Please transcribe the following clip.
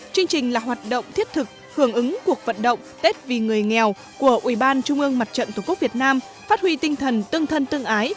chương trình là hoạt động thiết thực hưởng ứng cuộc vận động tết vì người nghèo của ubndtqvn phát huy tinh thần tương thân tương ái